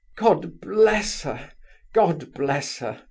"God bless her! God bless her!"